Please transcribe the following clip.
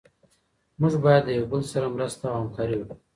موږ باید د یو بل سره مرسته او همکاري وکړو.